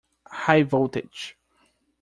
High voltage!